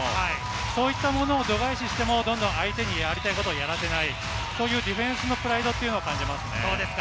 そういったものを度外視しても相手にやらせない、やりたいことをやらせない、ディフェンスのプライドを感じますね。